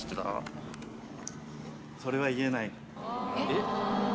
えっ？